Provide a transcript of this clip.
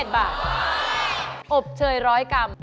อบเชย๑๐๐กรัม